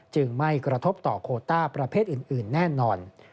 ไม่กระทบต่อโคต้าประเภทอื่นแน่นอน